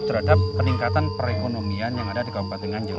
terhadap peningkatan perekonomian yang ada di kabupaten nganjuk